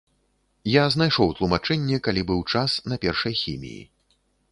Я знайшоў тлумачэнне, калі быў час, на першай хіміі.